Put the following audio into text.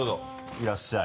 いらっしゃい。